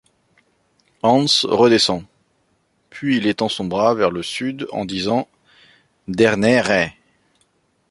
Hans redescend, puis il étend son bras vers le sud en disant :« Der nere !